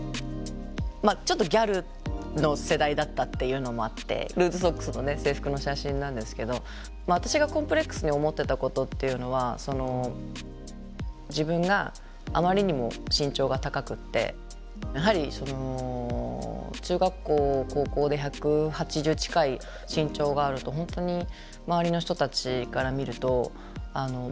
ちょっとギャルの世代だったっていうのもあってルーズソックスのね制服の写真なんですけど私がコンプレックスに思ってたことっていうのは自分があまりにも身長が高くってやはり中学校高校で１８０近い身長があると本当に周りの人たちから見ると異様に見えるんですよね。